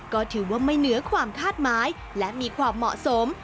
ก็ถือว่าไม่เหนือความคาดหมายและมีความเหมาะสม